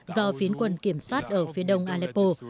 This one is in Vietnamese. do phiến quân kiểm soát ở phía đông aleppo